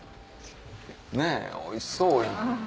ねぇおいしそうや。